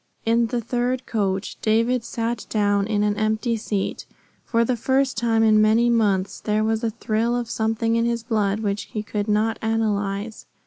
In the third coach David sat down in an empty seat. For the first time in many months there was a thrill of something in his blood which he could not analyze.